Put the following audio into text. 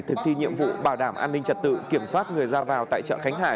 thực thi nhiệm vụ bảo đảm an ninh trật tự kiểm soát người ra vào tại chợ khánh hải